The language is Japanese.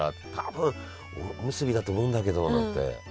多分おむすびだと思うんだけど」なんて。